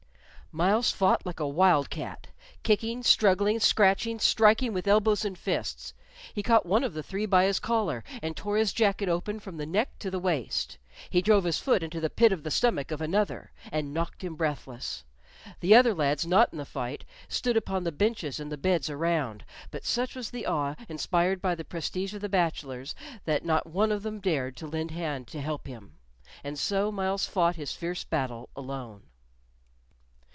Myles fought like a wild cat, kicking, struggling, scratching; striking with elbows and fists. He caught one of the three by his collar, and tore his jacket open from the neck to the waist; he drove his foot into the pit of the stomach of another, and knocked him breathless. The other lads not in the fight stood upon the benches and the beds around, but such was the awe inspired by the prestige of the bachelors that not one of them dared to lend hand to help him, and so Myles fought his fierce battle alone.